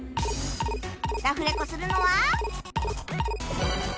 ラフレコするのは